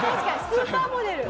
スーパーモデル。